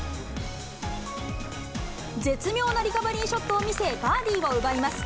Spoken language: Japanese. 絶妙なリカバリーショットを見せ、バーディーを奪います。